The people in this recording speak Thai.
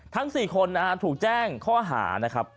ทั้ง๔คนนะฮะถูกแจ้งข้อหานะครับ